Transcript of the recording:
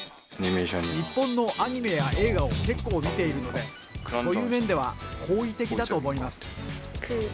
日本のアニメや映画を結構見ているので、そういう面では好意的だと思います。